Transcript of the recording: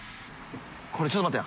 これちょっと待って。